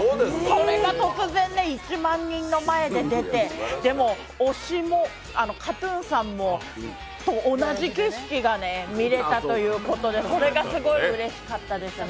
それが突然、１万人の前で出てでも、ＫＡＴ−ＴＵＮさんと同じ景色が見えたということでそれがすごいうれしかったですね。